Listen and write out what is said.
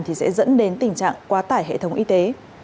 thì sẽ dẫn đến tình trạng quá tải hệ thống y tế